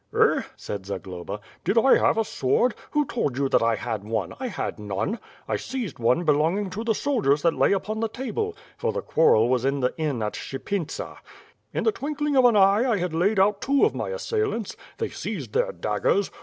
"Eh," said Zagloba, "did I have a sword? Who told you that I had one? I had none. I seized one belonging to the soldiers that lay upon the table, for the quarrel was in the inn at Shypintsa. In the twinkling of an eye I had laid out two of my assailants. They seized their daggers.